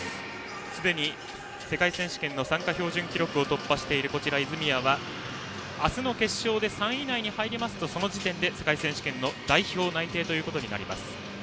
すでに世界選手権の参加標準記録を突破している泉谷は明日の決勝で３位以内に入りますとその時点で世界選手権代表内定となります。